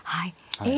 はい。